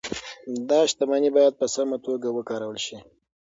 دا شتمني باید په سمه توګه وکارول شي.